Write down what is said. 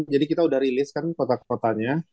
jadi kita udah rilis kan kota kotanya